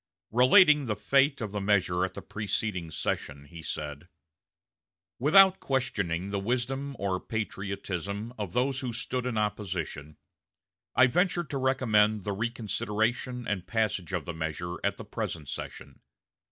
Relating the fate of the measure at the preceding session, he said: "Without questioning the wisdom or patriotism of those who stood in opposition, I venture to recommend the reconsideration and passage of the measure at the present session.